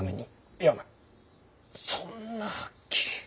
いやお前そんなはっきり。